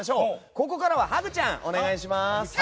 ここからはハグちゃんお願いします。